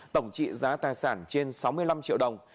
tổng trị giá tài sản trên sáu mươi năm triệu đồng